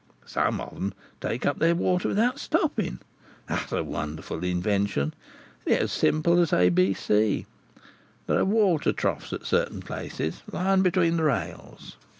Some of them take up their water without stopping. That's a wonderful invention, and yet as simple as A B C. There are water troughs at certain places, lying between the rails.